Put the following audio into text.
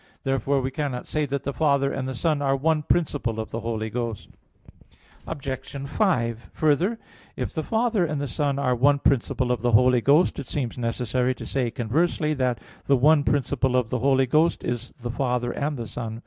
Therefore we cannot say that the Father and the Son are one principle of the Holy Ghost. Obj. 5: Further, if the Father and the Son are one principle of the Holy Ghost, it seems necessary to say, conversely, that the one principle of the Holy Ghost is the Father and the Son.